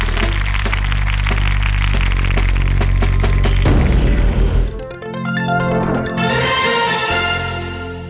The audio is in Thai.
โปรดติดตามตอนต่อไป